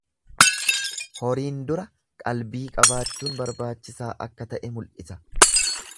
Horiin dura qalbii qabaachuun barbaachisaa akka ta'e mul'isa.